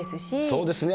そうですね。